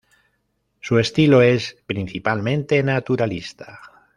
Su estilo es, principalmente, naturalista.